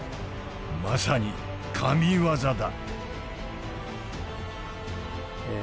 まさに神技だ。